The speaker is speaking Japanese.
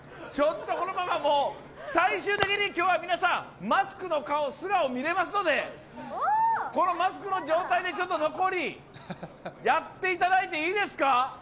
このまま最終的に今日は皆さん、マスクマンの顔見られますので、このマスクの状態で残りやっていただいていいですか。